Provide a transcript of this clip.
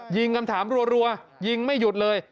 คำถามรัวยิงไม่หยุดเลย